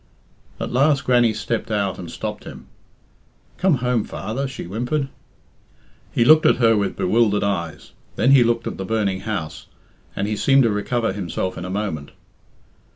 At last Grannie stepped out and stopped him. "Come home, father," she whimpered. He looked at her with bewildered eyes, then he looked at the burning house, and he seemed to recover himself in a moment.